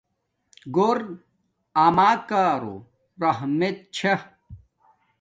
گھور اما کارو رحمت چھا